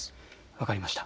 分かりました。